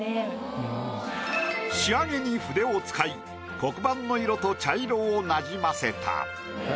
仕上げに筆を使い黒板の色と茶色をなじませた。